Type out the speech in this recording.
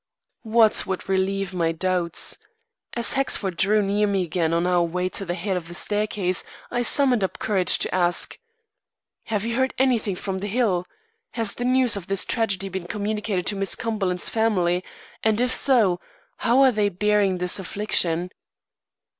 What would relieve my doubts? As Hexford drew near me again on our way to the head of the staircase, I summoned up courage to ask: "Have you heard anything from the Hill? Has the news of this tragedy been communicated to Miss Cumberland's family, and if so, how are they bearing this affliction?"